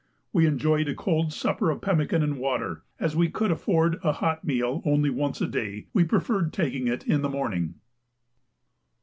We enjoyed a cold supper of pemmican and water; as we could afford a hot meal only once a day, we preferred taking it in the morning.